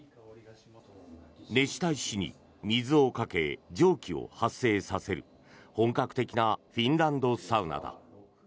熱した石に水をかけ蒸気を発生させる本格的なフィンランドサウナだ。